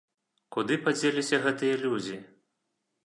Куды падзеліся гэтыя людзі?